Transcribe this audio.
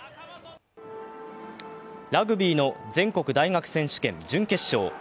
ラグビーの全日本選手権準決勝。